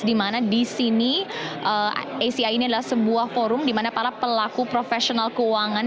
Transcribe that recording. di mana di sini aci ini adalah sebuah forum di mana para pelaku profesional keuangan